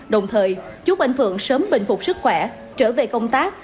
đồng thời chúc anh phượng sớm bình phục sức khỏe trở về công tác